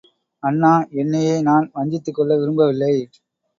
அண்ணா, என்னையே நான் வஞ்சித்துக் கொள்ள விரும்பவில்லை.